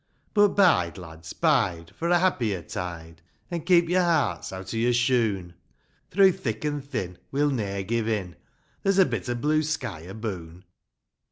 But, bide lads, bide, For a happier tide ; An' keep yor hearts out o' yor shoon ; Through thick an' thin, We'n ne'er give in : There's a bit o' blue sky aboon